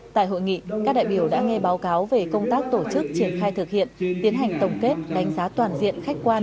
tại hội nghị các đại biểu đã nghe báo cáo về công tác tổ chức triển khai thực hiện tiến hành tổng kết đánh giá toàn diện khách quan